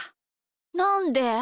なんで？